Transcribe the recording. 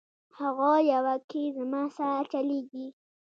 هغه یوه کي زما سا چلیږي